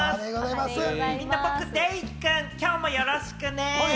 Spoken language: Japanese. みんな僕、デイくん、今日もよろしくね！